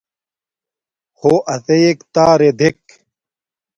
ہݸ اتݵَک تݳرݺ دݵک.